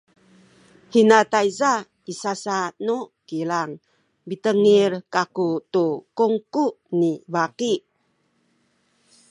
hina tayza i sasa nu kilang mitengil kaku tu kungku ni baki